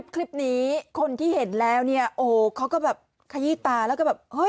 คลิปนี้คนที่เห็นแล้วเนี่ยโอ้โหเขาก็แบบขยี้ตาแล้วก็แบบเฮ้ย